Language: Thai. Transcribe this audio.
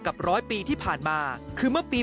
กลับวันนั้นไม่เอาหน่อย